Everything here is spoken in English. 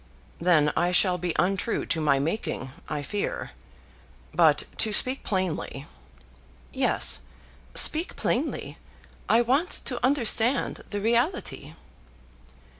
"Then I shall be untrue to my making, I fear. But to speak plainly " "Yes; speak plainly. I want to understand the reality."